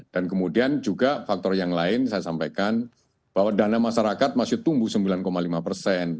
dan kemudian juga faktor yang lain saya sampaikan bahwa dana masyarakat masih tumbuh sembilan lima persen